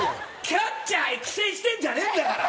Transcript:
キャッチャー育成してんじゃねえんだから！